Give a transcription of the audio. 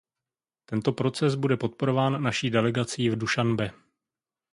Tento proces bude podporován naší delegací v Dušanbe.